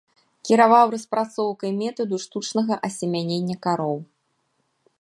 Кіраваў распрацоўкай метаду штучнага асемянення кароў.